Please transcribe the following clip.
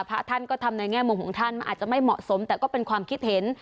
พระท่านก็ทำในแง่มุมของท่านมันอาจจะไม่เหมาะสมแต่ก็เป็นความคิดเห็น